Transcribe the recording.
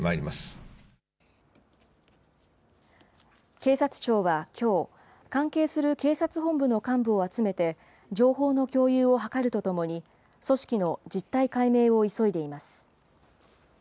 警察庁はきょう、関係する警察本部の幹部を集めて、情報の共有を図るとともに、組織の実態解明を急いでいます。